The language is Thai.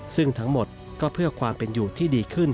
ซึ่งทั้งหมดก็เพื่อความเป็นอยู่ที่ดีขึ้น